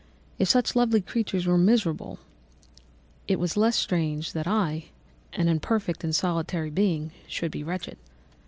If such lovely creatures were miserable, it was less strange that I, an imperfect and solitary being, should be wretched.